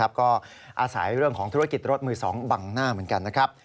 ก็อาศัยเรื่องของธุรกิจรถมือ๒บังหน้าเหมือนกันนะครับ